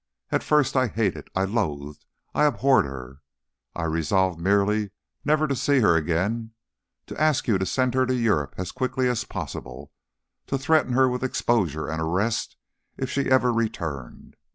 At first I hated, I loathed, I abhorred her. I resolved merely never to see her again, to ask you to send her to Europe as quickly as possible, to threaten her with exposure and arrest if she ever returned.